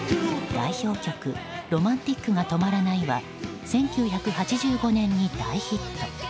代表曲「Ｒｏｍａｎｔｉｃが止まらない」は１９８５年に大ヒット。